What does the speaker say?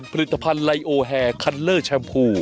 ผลิตภัณฑ์ไลโอแฮคันเลอร์แชมพู